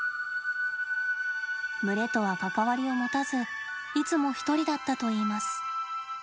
群れとは関わりを持たずいつも１人だったといいます。